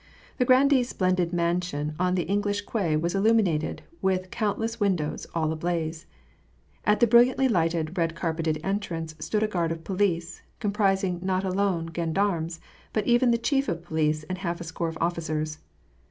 The grandee's splendid mansion on the English Quay was illuminated with countless windows, all ablaze. At the bril liantly lighted, red carpeted entrance stood a guard of police, comprising not alone gendarmes, but even the chief of police and half a score of officers.